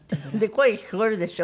声聞こえるでしょ？